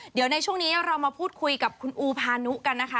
เดี๋ยวในช่วงนี้เรามาพูดคุยกับคุณอูพานุกันนะคะ